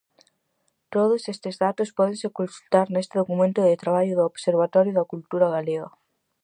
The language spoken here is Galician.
Todos estes datos pódense consultar neste documento de traballo do Observatorio da Cultura Galega.